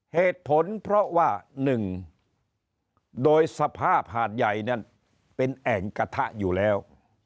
เหตุผลเพราะว่า๑โดยสภาพหาดใหญ่นั้นเป็นแอ่งกระทะอยู่แล้ว